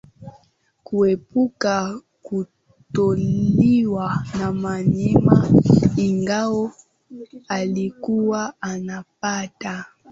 Kuepuka kutoliwa na wanyama Ingawa alikuwa anapata